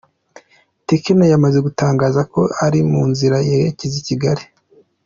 Tekno yamaze gutangaza ko ari mu nzira yerekeza i Kigali.